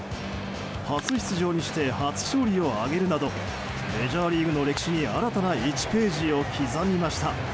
初出場にして初勝利を挙げるなどメジャーリーグの歴史に新たな１ページを刻みました。